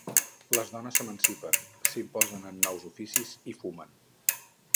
Les dones s'emancipen, s'imposen en nous d'oficis i fumen.